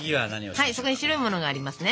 はいそこに白いものがありますね。